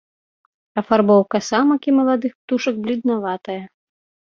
Афарбоўка самак і маладых птушак бледнаватая.